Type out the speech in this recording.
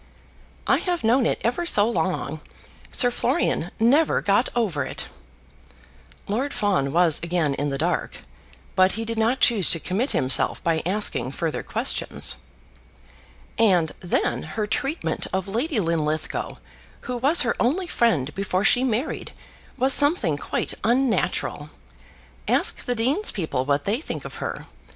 "I have known it ever so long. Sir Florian never got over it." Lord Fawn was again in the dark, but he did not choose to commit himself by asking further questions. "And then her treatment of Lady Linlithgow, who was her only friend before she married, was something quite unnatural. Ask the dean's people what they think of her.